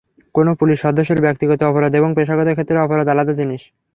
কোনো পুলিশ সদস্যের ব্যক্তিগত অপরাধ এবং পেশাগত ক্ষেত্রে অপরাধ আলাদা জিনিস।